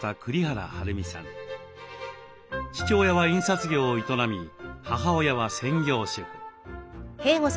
父親は印刷業を営み母親は専業主婦。